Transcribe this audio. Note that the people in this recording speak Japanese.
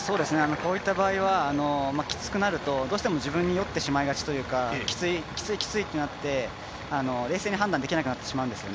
こういった場合きつくなると、どうしても自分に酔ってしまうというかきつい、きついってなって冷静に判断できなくなってしまうんですね。